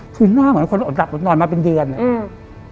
คือหน้าเหมือนคนดับนอนมาเป็นเดือนเลย